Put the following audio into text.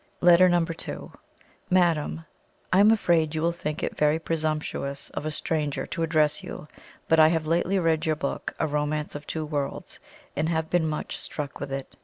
S." LETTER II. "MADAM, "I am afraid you will think it very presumptuous of a stranger to address you, but I have lately read your book, 'A Romance of Two Worlds,' and have been much struck with it.